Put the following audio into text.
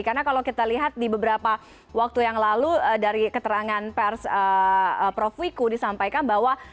karena kalau kita lihat di beberapa waktu yang lalu dari keterangan pers prof wiku disampaikan bahwa